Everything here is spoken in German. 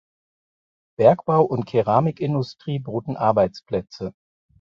Bergbau und Keramikindustrie boten Arbeitsplätze.